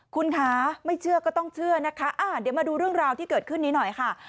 คุณคะไม่เชื่อก็ต้องเชื่อนะคะเดี๋ยวมาดูเรื่องราวที่เกิดขึ้นนี้หน่อยค่ะ